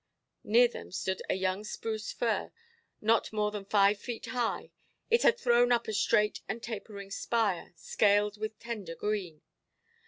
Near them stood a young spruce fir, not more than five feet high. It had thrown up a straight and tapering spire, scaled with tender green.